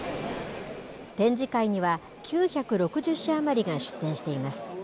展示会には９６０社余りが出展しています。